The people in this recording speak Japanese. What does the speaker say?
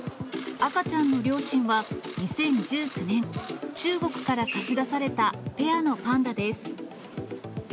赤ちゃんの両親は、２０１９年、中国から貸し出されたペアのパンダです。